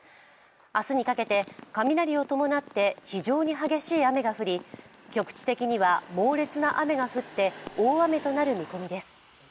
明日にかけて雷を伴って非常に激しい雨が降り、局地的には猛烈な雨が降って大雨となる見込みです。